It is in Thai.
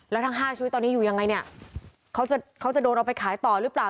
แล้วทั้ง๕ชีวิตตอนนี้อยู่ยังไงเนี่ยเขาจะเขาจะโดนเอาไปขายต่อหรือเปล่า